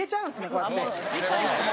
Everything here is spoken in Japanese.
こうやって。